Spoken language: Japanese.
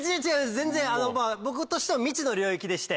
全然あのまぁ僕としては未知の領域でして。